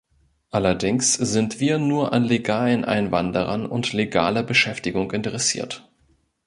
Allerdings sind wir nur an legalen Einwanderern und legaler Beschäftigung interessiert.